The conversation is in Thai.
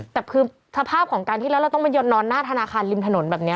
แต่คือสภาพของการที่แล้วเราต้องมายนนอนหน้าธนาคารริมถนนแบบนี้